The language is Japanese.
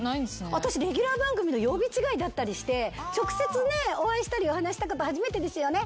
私レギュラー番組の曜日違いだったりして直接お会いしたりお話したこと初めてですよね？